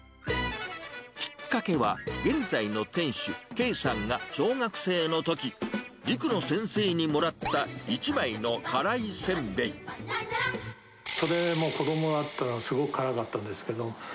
きっかけは、現在の店主、敬さんが小学生のとき、塾の先生にもらった、子どもだったからすごく辛かったんですけど。